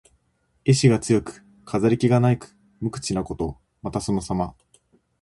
意思が強く、飾り気がなく無口なこと。また、そのさま。